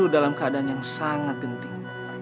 dalam keadaan yang sangat genting